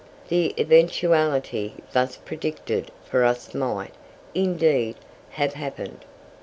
The eventuality thus predicted for us might, indeed, have happened.